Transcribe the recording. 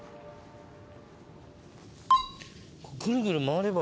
ぐるぐる回れば。